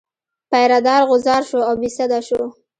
پیره دار غوځار شو او بې سده شو.